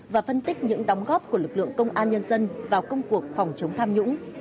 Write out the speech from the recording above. và phân tích những đóng góp của lực lượng công an nhân dân vào công cuộc phòng chống tham nhũng